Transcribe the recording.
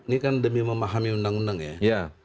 ini kan demi memahami undang undang ya